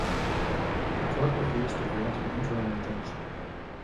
The court refused to grant an interim injunction.